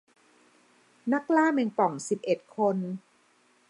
นักล่าแมงป่องสิบเอ็ดคน